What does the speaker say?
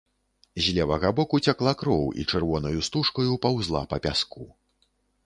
З левага боку цякла кроў і чырвонаю стужкаю паўзла па пяску.